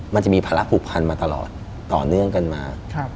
มันจะมีภาระผูกพันมาตลอดต่อเนื่องกันมา